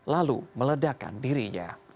lalu pelaku menyerang dengan senjata tajam